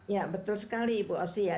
ya betul sekali bu ausi ya